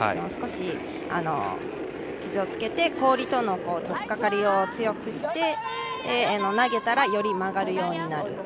少し傷をつけて、氷とのとっかかりを強くして、投げたらより曲がるようになる。